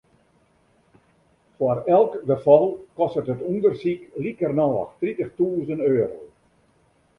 Foar elk gefal kostet it ûndersyk likernôch tritichtûzen euro.